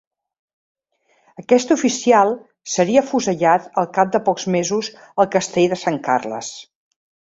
Aquest oficial seria afusellat al cap de pocs mesos al Castell de Sant Carles.